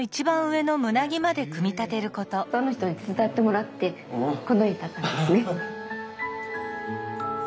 たくさんの人に手伝ってもらってこの家建ったんですね。